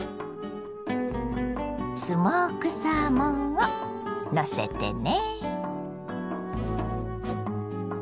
スモークサーモンをのせてね。